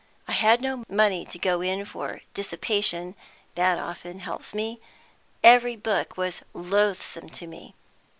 I had no money to go in for dissipation: that often helps me. Every book was loathsome to me.